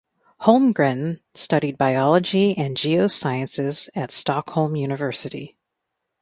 Holmgren studied biology and geosciences at Stockholm University.